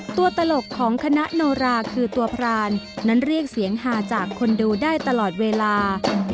ตลกของคณะโนราคือตัวพรานนั้นเรียกเสียงฮาจากคนดูได้ตลอดเวลา